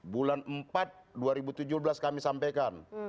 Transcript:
bulan empat dua ribu tujuh belas kami sampaikan